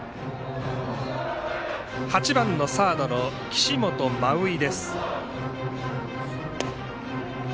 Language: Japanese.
８番のサードの岸本真生。